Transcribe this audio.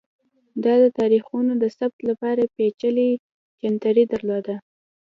دا د تاریخونو د ثبت لپاره پېچلی جنتري درلوده